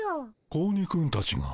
子鬼くんたちが？